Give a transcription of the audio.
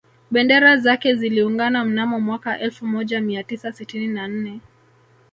Bendera zake ziliungana mnamo mwaka elfu moja mia tisa sitini na nne